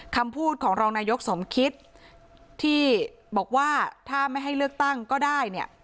คำพูดของรองนายกสมคิตที่บอกว่าถ้าไม่ให้เลือกตั้งก็ได้เนี่ย